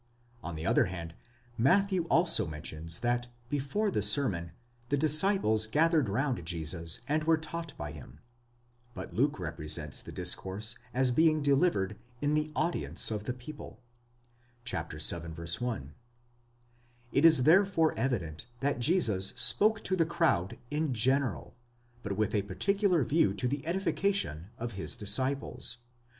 On the other hand, Mat thew also mentions that before the sermon the disciples gathered round Jesus and were taught by him; and Luke represents the discourse as being delivered in the audience of the people (vii. 1); it is therefore evident that Jesus spoke to the crowd in general, but with a particular view to the edification of his dis ciples.?